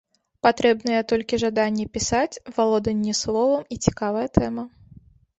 Патрэбныя толькі жаданне пісаць, валоданне словам і цікавая тэма.